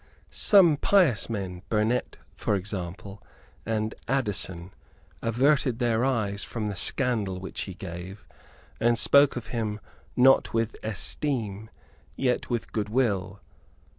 Some pious men, Burnet, for example, and Addison, averted their eyes from the scandal which he gave, and spoke of him, not indeed with esteem, yet with goodwill.